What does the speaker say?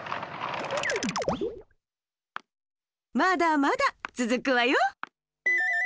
まだまだつづくわよ。